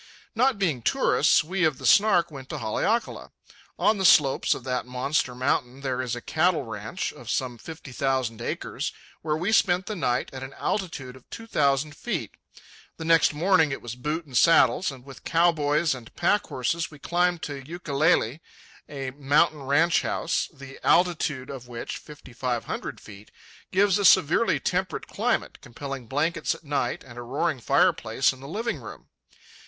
Not being tourists, we of the Snark went to Haleakala. On the slopes of that monster mountain there is a cattle ranch of some fifty thousand acres, where we spent the night at an altitude of two thousand feet. The next morning it was boots and saddles, and with cow boys and packhorses we climbed to Ukulele, a mountain ranch house, the altitude of which, fifty five hundred feet, gives a severely temperate climate, compelling blankets at night and a roaring fireplace in the living room.